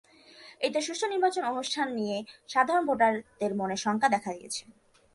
এতে সুষ্ঠু নির্বাচন অনুষ্ঠান নিয়ে সাধারণ ভোটারদের মনে শঙ্কা দেখা দিয়েছে।